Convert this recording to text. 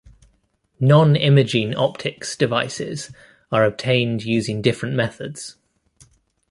Nonimaging optics devices are obtained using different methods.